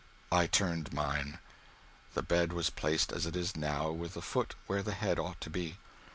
I turned mine. The bed was placed as it is now, with the foot where the head ought to be.